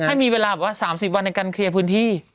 ให้มีเวลาแบบว่า๓๐วันในการเคลียร์พื้นที่